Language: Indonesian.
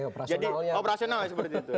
operasional ya operasional ya seperti itu